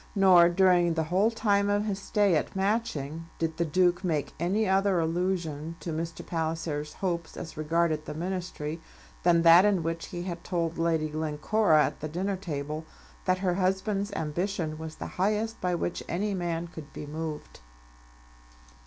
Nor during the whole time of his stay at Matching did the Duke make any other allusion to Mr. Palliser's hopes as regarded the ministry, than that in which he had told Lady Glencora at the dinner table that her husband's ambition was the highest by which any man could be moved.